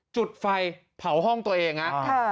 จุดไฟเผาห้องตัวเองนะ